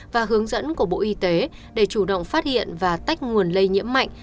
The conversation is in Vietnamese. và hướng dẫn của bộ y tế để chủ động phát hiện và tách nguồn lây nhiễm mạnh